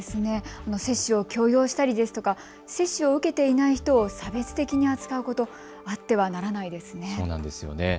接種を強要したりですとか接種を受けていない人を差別的に扱うこと、あってはならないですよね。